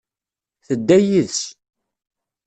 Tedda yides.